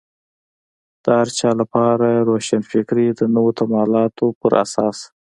د هر چا لپاره روښانفکري د نویو تمایلاتو په اساس.